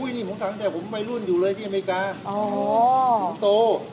อุ้ยนี่ผมตั้งแต่ไปรุ่นอยู่เลยที่อเมริกาสิงโต